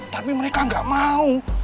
tapi mereka ga mau